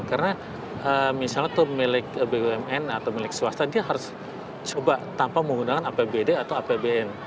karena misalnya itu milik bumn atau milik swasta dia harus coba tanpa menggunakan apbd atau apbn